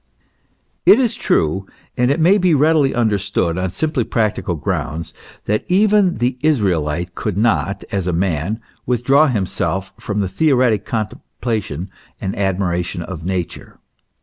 It is true, and it may be readily understood on simply prac tical grounds, that even the Israelite could not, as a man, withdraw himself from the theoretic contemplation and admi ration of Nature.